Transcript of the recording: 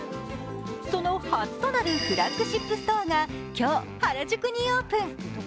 その初となるフラッグシップストアが今日、原宿にオープン。